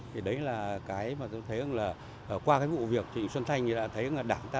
thì đấy là cái mà tôi thấy là qua cái vụ việc trịnh xuân thanh thì đã thấy là đảng ta